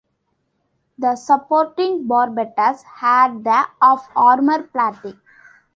The supporting barbettes had the of armor plating.